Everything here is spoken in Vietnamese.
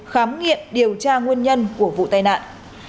khám nghiệm điều tra nguyên nhân của vụ tai nạn